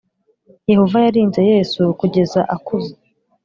Yehova yarinze Yesu kugeza akuze